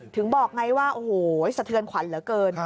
ถึงบอกไงว่าโอ้โหสะเทือนขวัญเหลือเกิน